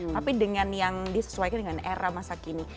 tapi dengan yang disesuaikan dengan era masa kini